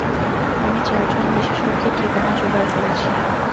আমি চারজন বিশেষজ্ঞের ঠিকানা জোগাড় করেছি।